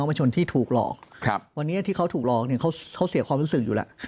ประชนที่ถูกหลอกครับวันนี้ที่เขาถูกหลอกเนี่ยเขาเสียความรู้สึกอยู่แล้ว